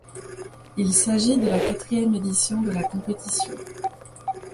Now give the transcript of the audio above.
Il s'agit de la quatrième édition de la compétition.